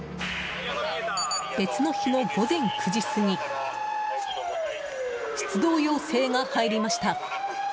別の日の午前９時過ぎ出動要請が入りました。